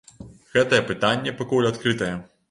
Гэтае пытанне пакуль адкрытае.